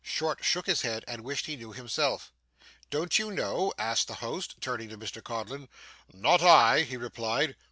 Short shook his head, and wished he knew himself. 'Don't you know?' asked the host, turning to Mr Codlin. 'Not I,' he replied.